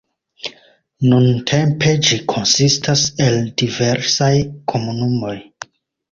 Nuntempe ĝi konsistas el diversaj komunumoj.